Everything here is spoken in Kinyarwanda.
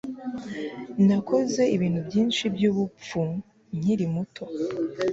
Nakoze ibintu byinshi byubupfu nkiri muto